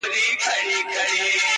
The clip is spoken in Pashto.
پلار کار ته ځي خو زړه يې نه وي هلته،